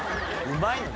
うまいの？